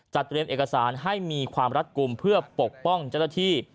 เตรียมเอกสารให้มีความรัดกลุ่มเพื่อปกป้องเจ้าหน้าที่